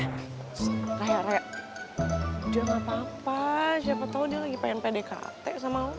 ssst raya raya udah gapapa siapa tau dia lagi pengen pdkt sama lo